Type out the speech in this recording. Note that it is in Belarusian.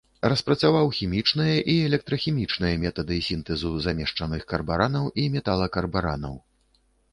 Распрацаваў хімічныя і электрахімічныя метады сінтэзу замешчаных карбаранаў і металакарбаранаў.